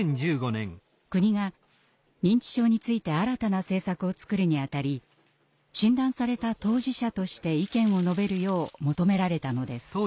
国が認知症について新たな政策を作るにあたり診断された当事者として意見を述べるよう求められたのです。